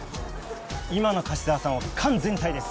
今の樫沢さんは完全体です！